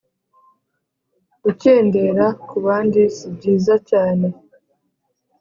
gukendera kubandi sibyiza cyane